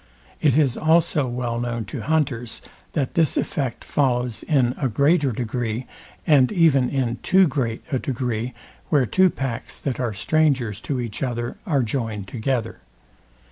It is also well known to hunters, that this effect follows in a greater degree, and even in too great a degree, where two packs, that are strangers to each other, are joined together.